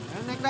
ya naik dah